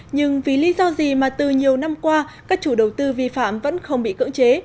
nhưng vì lý do gì mà từ nhiều năm qua các chủ đầu tư vi phạm vẫn không bị cưỡng chế